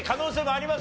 あります